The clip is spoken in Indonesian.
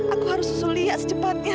aku harus susul lia secepatnya